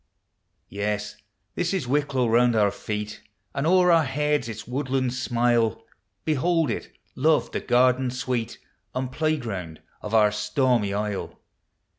Yes, this is Wicklow; round our feel And o'er our heads its woodlands smile; Behold it, love— the garden Bweel And playground of our stormy isle.